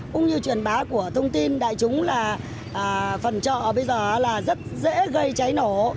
cũng như truyền bá của thông tin đại chúng là phòng trọ bây giờ là rất dễ gây cháy nổ